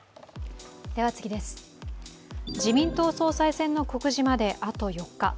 自民党総裁選の告示まで、あと４日。